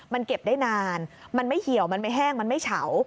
มันเก็บได้นานมันไม่เหี่ยวมันไม่แห้งมันไม่เฉา